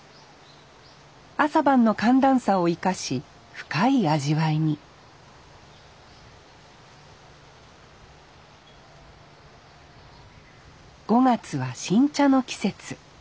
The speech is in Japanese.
朝晩の寒暖差を生かし深い味わいに５月は新茶の季節。